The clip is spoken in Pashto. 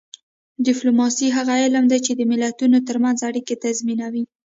ډیپلوماسي هغه علم دی چې د ملتونو ترمنځ اړیکې تنظیموي